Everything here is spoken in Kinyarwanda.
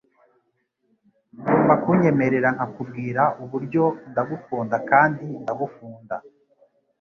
Ugomba kunyemerera nkakubwira uburyo ndagukunda kandi ndagukunda. ”